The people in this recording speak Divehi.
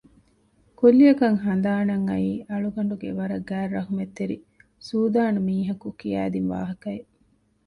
ކުއްލިއަކަށް ހަނދާނަށް އައީ އަޅުގަނޑުގެ ވަރަށް ގާތް ރަހުމަތްތެރި ސޫދާނު މީހަކު ކިޔައިދިން ވާހަކައެއް